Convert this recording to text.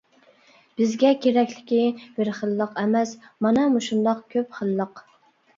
بىزگە كېرەكلىكى بىر خىللىق ئەمەس، مانا مۇشۇنداق كۆپ خىللىق.